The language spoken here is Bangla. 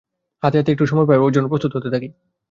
যাতে হাতে একটু সময় পাই আর ওর জন্য প্রস্তুত হতে পারি।